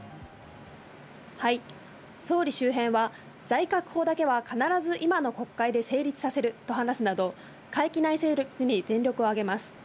はい、総理周辺は財確法だけは必ず今の国会で成立させると話すなど、会期内成立に全力を挙げます。